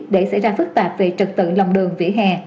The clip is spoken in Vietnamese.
để xảy ra phức tạp về trật tự lòng đường vỉa hè